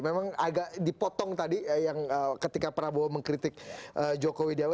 memang agak dipotong tadi ketika prabowo mengkritik joko widjawa